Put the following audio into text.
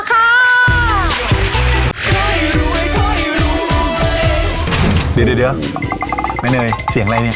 ค่อยรวยค่อยรวยเดี๋ยวเดี๋ยวเดี๋ยวแม่เนยเสียงอะไรเนี้ย